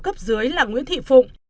cấp dưới là nguyễn thị phụng